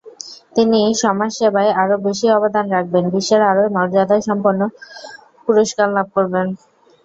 তিনি সমাজসেবায় আরও বেশি অবদান রাখবেন, বিশ্বের আরও মর্যাদাসম্পন্ন পুরস্কার লাভ করবেন।